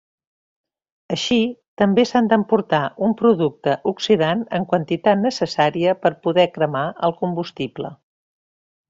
Així, també s'han d'emportar un producte oxidant en quantitat necessària per poder cremar el combustible.